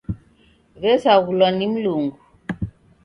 W'esaghulwa ni Mlungu.